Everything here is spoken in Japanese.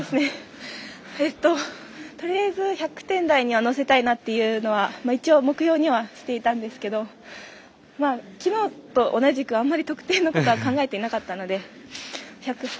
とりあえず１００点台には乗せたいなと一応、目標にはしてたんですけどきのうと同じくあまり得点のことは考えていなかったので。